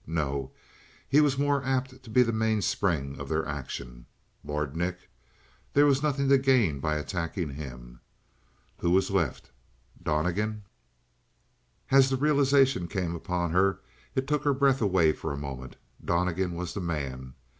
No, he was more apt to be the mainspring of their action. Lord Nick? There was nothing to gain by attacking him. Who was left? Donnegan! As the realization came upon her it took her breath away for a moment. Donnegan was the man.